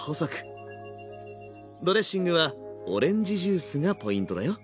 ドレッシングはオレンジジュースがポイントだよ。